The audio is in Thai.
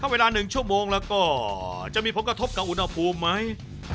เวลาหนึ่งชั่วโมงล่ะก็จะมีพวกกระทบกับอุณหภูมิไหม